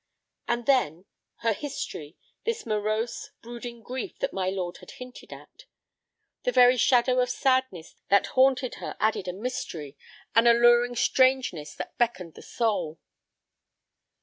And then—her history, this morose, brooding grief that my lord had hinted at! The very shadow of sadness that haunted her added a mystery, an alluring strangeness that beckoned the soul.